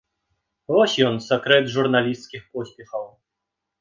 Вось ён, сакрэт журналісцкіх поспехаў!